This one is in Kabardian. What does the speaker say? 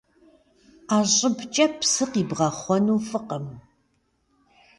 Ӏэ щӏыбкӏэ псы къибгъэхъуэну фӏыкъым.